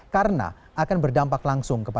karena akan berdampak langsung